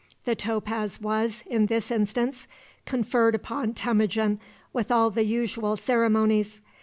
The topaz was, in this instance, conferred upon Temujin with all the usual ceremonies.